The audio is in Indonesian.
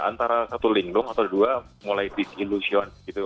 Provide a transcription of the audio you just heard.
antara satu linglung atau dua mulai disillusion gitu